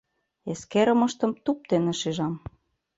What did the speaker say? Эскерымыштым туп дене шижам.